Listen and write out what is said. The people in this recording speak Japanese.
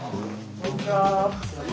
こんにちは！